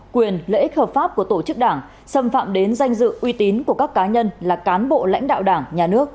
quyền lợi ích hợp pháp của tổ chức đảng xâm phạm đến danh dự uy tín của các cá nhân là cán bộ lãnh đạo đảng nhà nước